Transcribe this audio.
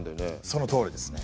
そのとおりですね。